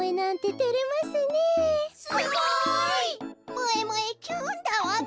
もえもえキュンだわべ。